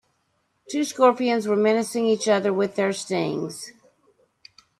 Two scorpions were menacing each other with their stings.